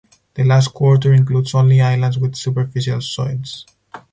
The last quarter includes only islands with Superficial soils.